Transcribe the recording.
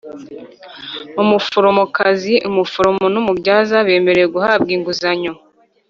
Umuforomokazi , umuforomo n umubyaza bemerewe guhabwa inguzanyo